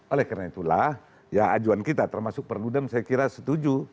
oleh karena itulah ya ajuan kita termasuk perludem saya kira setuju